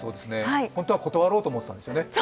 本当は断ろうと思ってたんですよね？